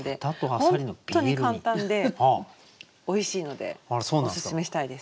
本当に簡単でおいしいのでおすすめしたいです。